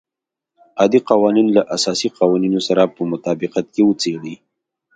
عادي قوانین له اساسي قوانینو سره په مطابقت کې وڅېړي.